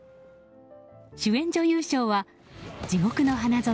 主演女優賞は「地獄の花園」